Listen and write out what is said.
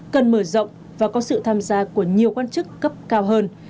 cần mở rộng và có sự tham gia của nhiều quan chức cấp cao hơn